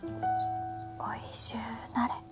おいしゅうなれ。